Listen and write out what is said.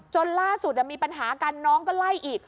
ล่าสุดมีปัญหากันน้องก็ไล่อีก